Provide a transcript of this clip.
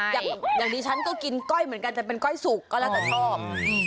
อย่างนี้ฉันก็กินก้อยเหมือนกันจะเป็นก้อยสุกก็แล้วแต่ชอบ